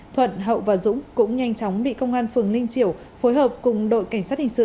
thuận hậu và dũng cũng nhanh chóng bị công an phường ninh triều phối hợp cùng đội cảnh sát hình sự